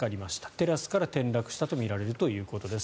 テラスから転落したとみられるということです。